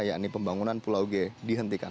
yakni pembangunan pulau g dihentikan